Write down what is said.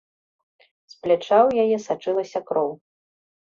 З пляча ў яе сачылася кроў.